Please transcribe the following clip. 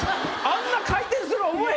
あんな回転する思え